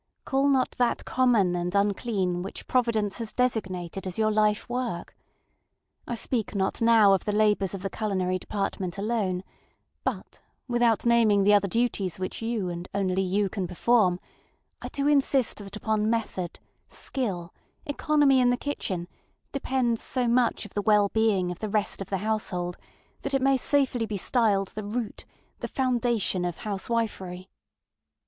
ŌĆØ Call not that common and unclean which Providence has designated as your life work. I speak not now of the labors of the culinary department alone; but, without naming the other duties which you and you only can perform, I do insist that upon method, skill, economy in the kitchen, depends so much of the well being of the rest of the household, that it may safely be styled the rootŌĆöthe foundation of housewifery.